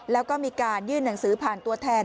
แล้วก็มีการยื่นหนังสือผ่านตัวแทน